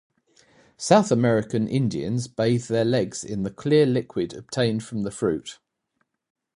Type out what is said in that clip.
South American Indians bathe their legs in the clear liquid obtained from the fruit.